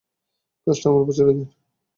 কাজটা আমার উপর ছেড়ে দিন!